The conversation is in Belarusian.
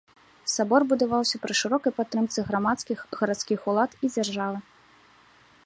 Сабор будаваўся пры шырокай падтрымцы грамадскасці, гарадскіх улад і дзяржавы.